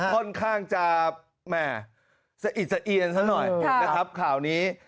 ค่อนข้างจะแหม่สะอิดสะเอียนซะหน่อยนะครับข่าวนี้